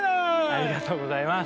ありがとうございます。